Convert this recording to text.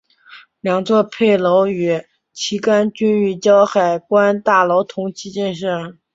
两座配楼与旗杆均与胶海关大楼同期建设。